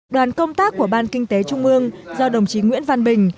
đoàn công tác của ban kinh tế trung ương do đồng chí nguyễn văn bình